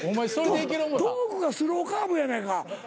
トークがスローカーブやないか。